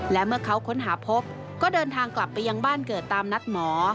และเมื่อเขาค้นหาพบก็เดินทางกลับไปยังบ้านเกิดตามนัดหมอ